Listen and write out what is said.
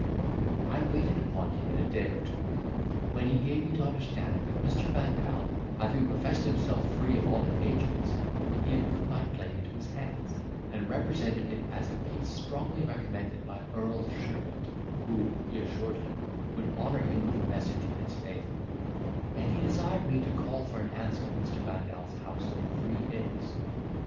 I waited upon him in a day or two, when he gave me to understand, that Mr. Vandal having professed himself free of all engagements, he had put my play into his hands, and represented it as a piece strongly recommended by Earl Sheerwit, who (he assured him) would honour him with a message in its favour; and he desired me to call for an answer at Mr. Vandal's house in three days.